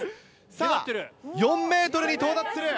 さぁ４ｍに到達する。